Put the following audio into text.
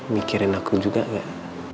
mikirin aku juga gak